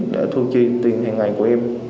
để thu chi tiền hàng ngày của em